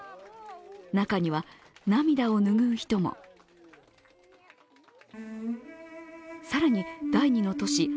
中には、涙を拭う人も更に第２の都市